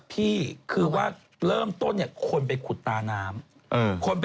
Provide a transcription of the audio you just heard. พี่คือว่าเริ่มต้นคนไปขุดตานาม